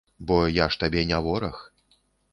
Бо я ж табе не вораг.